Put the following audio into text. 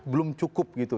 belum cukup gitu